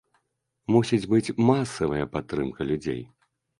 Мусіць быць масавая падтрымка людзей.